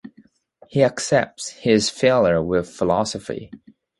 He accepts his failures with philosophy.